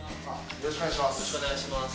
よろしくお願いします